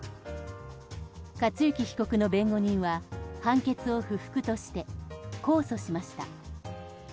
克行被告の弁護人は判決を不服として控訴しました。